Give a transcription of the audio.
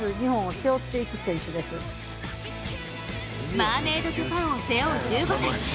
マーメイドジャパンを背負う１５歳。